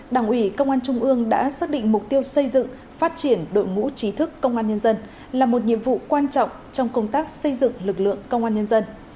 đảng ủy công an trung ương đã xác định mục tiêu xây dựng phát triển đội ngũ trí thức công an nhân dân là một nhiệm vụ quan trọng trong công tác xây dựng lực lượng công an nhân dân